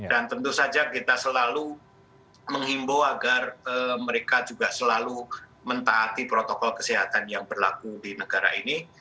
dan tentu saja kita selalu menghimbau agar mereka juga selalu mentaati protokol kesehatan yang berlaku di negara ini